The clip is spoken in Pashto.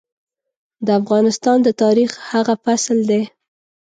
د افغانستان د تاريخ هغه فصل دی.